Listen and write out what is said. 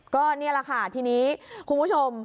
ก็นี่แหละค่ะทีนี้คุณผู้ชม